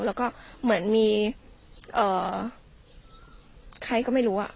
แล้วก็เหมือนมีเอ่อใครก็ไม่รู้อ่ะ